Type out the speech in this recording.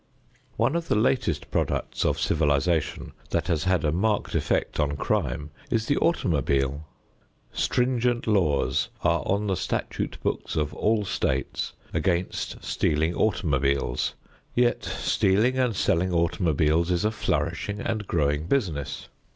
One of the latest products of civilization that has had a marked effect on crime is the automobile. Stringent laws are on the statute books of all states against stealing automobiles, yet stealing and selling automobiles is a flourishing and growing business.